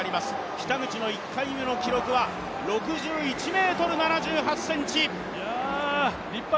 北口の１回目の記録は６１ｍ７８ｃｍ。